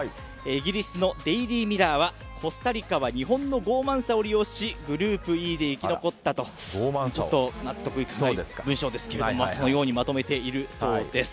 イギリスのデイリー・ミラーはコスタリカは日本の傲慢さを利用しグループＥで生き残ったとちょっと納得いかない文章ですけどそのようにまとめているそうです。